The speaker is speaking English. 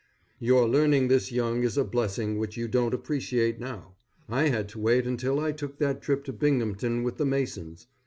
Your learning this young is a blessing which you don't appreciate now. I had to wait until I took that trip to Binghamton with the Masons.